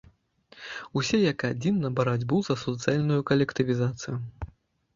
Усе як адзін на барацьбу за суцэльную калектывізацыю!